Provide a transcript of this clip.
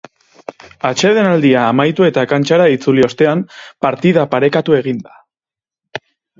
Atsedenaldia amaitu eta kantxara itzuli ostean, partida parekatu egin da.